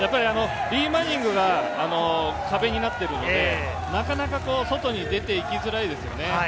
マニングが壁になっているので、なかなか外に出て行きづらいですよね。